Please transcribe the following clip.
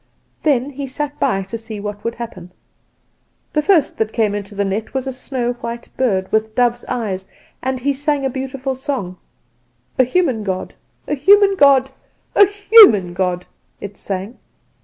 Then he sat by to see what would happen. The first that came into the net was a snow white bird, with dove's eyes, and he sang a beautiful song 'A human God! a human God! a human God!' it sang.